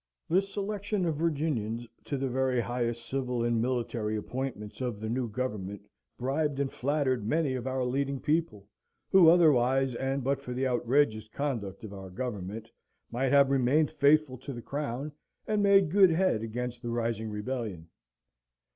The selection of Virginians to the very highest civil and military appointments of the new government bribed and flattered many of our leading people, who, otherwise, and but for the outrageous conduct of our government, might have remained faithful to the Crown, and made good head against the rising rebellion.